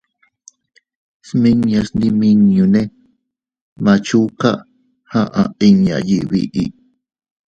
Smiñas ndimiñunne «Machuca» aʼa inña yiʼi biʼi.